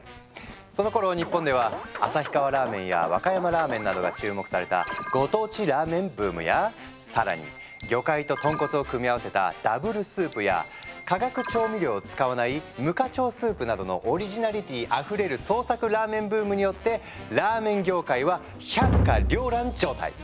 そのころ日本では旭川ラーメンや和歌山ラーメンなどが注目された「ご当地ラーメンブーム」や更に魚介と豚骨を組み合わせたＷスープや化学調味料を使わない「無化調スープ」などのオリジナリティーあふれる「創作ラーメンブーム」によってラーメン業界は百花繚乱状態。